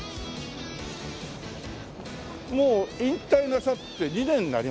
もう引退なさって２年になりますか？